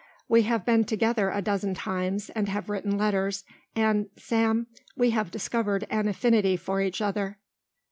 We have been together a dozen times and have written letters, and, Sam, we have discovered an affinity for each other."